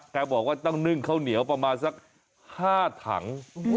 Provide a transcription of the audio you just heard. แกบอกว่าต้องนึ่งข้าวเหนียวประมาณสัก๕ถัง